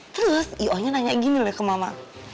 terus ionya nanya gini loh ya ke mama